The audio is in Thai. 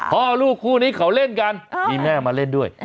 พ่อลูกคู่นี้เขาเล่นกันมีแม่มาเล่นด้วย